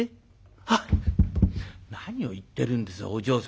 「何を言ってるんですお嬢様。